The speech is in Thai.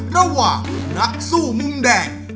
ระหว่างนักสู้มุมแดง